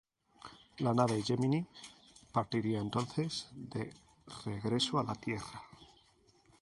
La nave Gemini partiría entonces de regreso a la Tierra.